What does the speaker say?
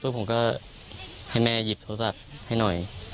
ผมก็ให้แม่หยิบโทรศัพท์ให้หน่อย